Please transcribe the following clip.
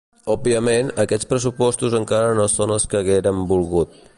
Òbviament, aquests pressupostos encara no són els que haguérem volgut.